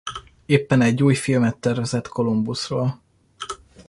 Éppen egy új filmet tervezett Kolumbuszról.